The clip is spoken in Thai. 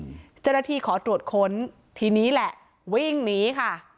เจ้าหน้าที่ขอตรวจค้นทีนี้แหละวิ่งหนีค่ะ